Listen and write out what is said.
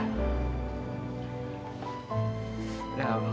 ini aku ngapain